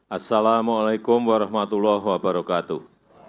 assalamu alaikum warahmatullahi wabarakatuh